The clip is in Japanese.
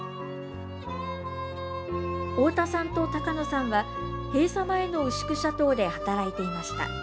太田さんと高野さんは、閉鎖前の牛久シャトーで働いていました。